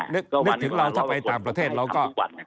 นึกถึงเราถ้าไปต่างประเทศเราก็